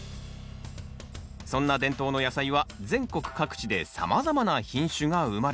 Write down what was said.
そんな伝統の野菜は全国各地でさまざまな品種が生まれ